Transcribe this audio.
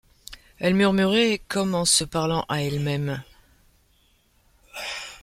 Elle murmurait, comme se parlant à elle-même :